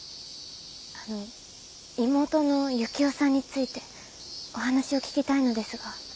あの妹の雪世さんについてお話を聞きたいのですが。